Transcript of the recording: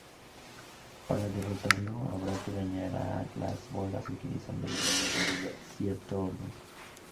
Para derrotarlo, habrá que dañar a las bolas utilizando la lengua siguiendo cierto orden.